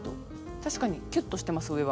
確かにキュッとしてます上は。